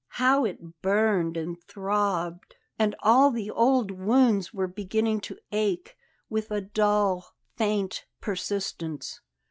How it burned and throbbed! And all the old wounds were beginning to ache, with a dull, faint persistence.